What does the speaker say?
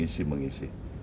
hidup saling isi mengisi